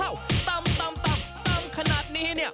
อ้าวตั้มตั้มตั้มตั้มขนาดนี้เนี่ย